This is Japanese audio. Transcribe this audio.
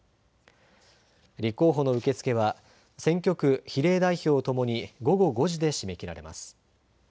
立候補の受け付けは選挙区・比例代表ともに午後５時で締め切られます。